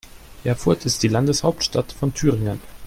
Erfurt ist die Landeshauptstadt von Thüringen.